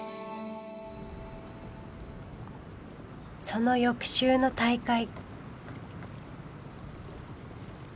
その翌週の大会。